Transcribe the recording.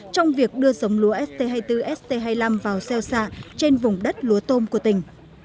trong việc đưa giống lúa st hai mươi bốn st hai mươi năm vào xeo xạ trên vùng đất lúa tôm của tỉnh